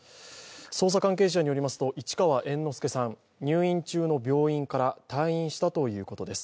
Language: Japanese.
捜査関係者によりますと市川猿之助さん、入院中の病院から退院したということです。